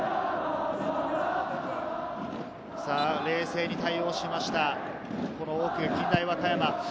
冷静に対応しました、奥、近大和歌山。